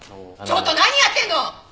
ちょっと何やってんの！